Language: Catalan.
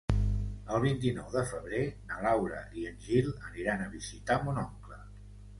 El vint-i-nou de febrer na Laura i en Gil aniran a visitar mon oncle.